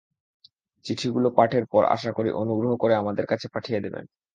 চিঠিগুলো পাঠের পর আশা করি অনুগ্রহ করে আমার কাছে পাঠিয়ে দেবেন।